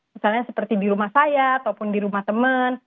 misalnya seperti di rumah saya ataupun di rumah teman